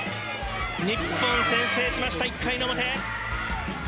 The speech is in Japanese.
日本、先制しました１回の表。